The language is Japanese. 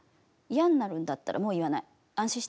嫌になるんだったらもう言わない。